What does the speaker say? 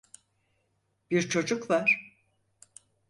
Bir çocuk var.